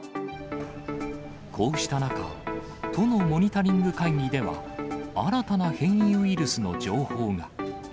こうした中、都のモニタリング会議では、新たな変異ウイルスの情報が。